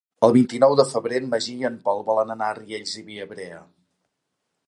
El vint-i-nou de febrer en Magí i en Pol volen anar a Riells i Viabrea.